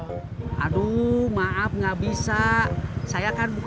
kalau begitu bapak tolong antarkan beta ke pangkalan dulu